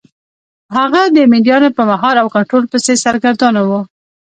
هغه د مینډیانو په مهار او کنټرول پسې سرګردانه و.